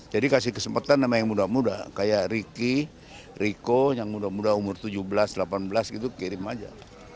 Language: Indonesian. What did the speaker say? jadi kasih kesempatan sama yang muda muda kayak ricky rico yang muda muda umur tujuh belas delapan belas gitu kirim aja